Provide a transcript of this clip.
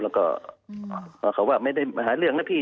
แล้วก็เขาว่าไม่ได้มาหาเรื่องนะพี่